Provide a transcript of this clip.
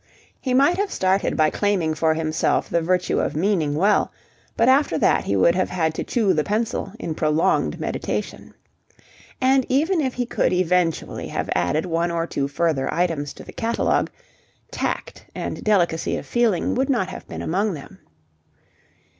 He might have started by claiming for himself the virtue of meaning well, but after that he would have had to chew the pencil in prolonged meditation. And, even if he could eventually have added one or two further items to the catalogue, tact and delicacy of feeling would not have been among them.